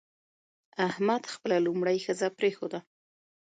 احمد خپله لومړۍ ښځه پرېښوده.